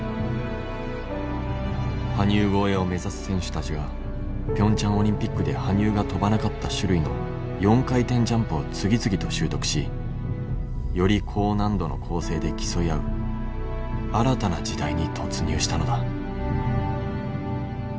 羽生超えを目指す選手たちがピョンチャンオリンピックで羽生が跳ばなかった種類の４回転ジャンプを次々と習得しより高難度の構成で競い合う新たな時代に突入したのだ。